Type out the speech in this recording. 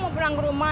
mau pulang ke rumah